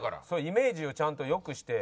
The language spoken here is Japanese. イメージをちゃんとよくして。